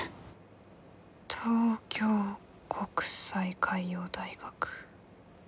東京国際海洋大学。